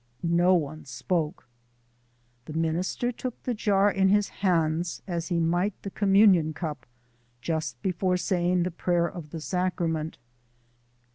No one spoke. The minister took the jar in his hands as he might the communion cup just before saying the prayer of the sacrament.